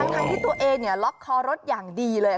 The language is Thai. แต่ที่ตัวเองเนี่ยล็อคคอรถอย่างดีเลย